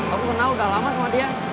aku kenal udah lama sama dia